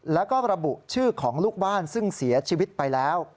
แล้วก็ระบุชื่อของลูกบ้านซึ่งเสียชีวิตไปแล้ว